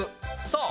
そう！